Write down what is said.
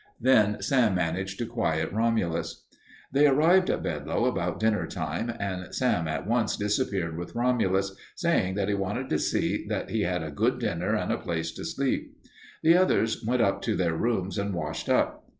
Then Sam managed to quiet Romulus. They arrived at Bedlow about dinner time, and Sam at once disappeared with Romulus, saying that he wanted to see that he had a good dinner and a place to sleep. The others went up to their rooms and washed up.